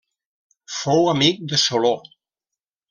Fou amic de Soló.